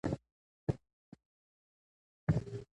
افغانستان د ځمکه له مخې په ټوله نړۍ کې پېژندل کېږي.